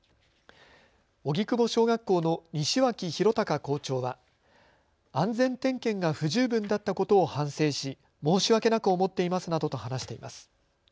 荻窪小学校の西脇裕高校長は安全点検が不十分だったことを反省し、申し訳なく思っていますなどと話しています。